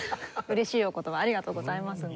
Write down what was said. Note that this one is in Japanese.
嬉しいお言葉ありがとうございます。